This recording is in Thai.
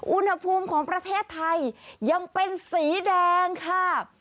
อุณหภูมิของประเทศไทยยังเป็นสีแดงค่ะ